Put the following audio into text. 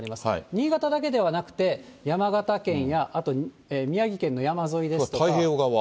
新潟だけではなくて、山形県やあと宮城県の山沿いですとか。